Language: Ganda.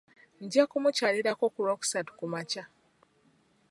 Nja kumukyalirako ku lwokusatu kumakya.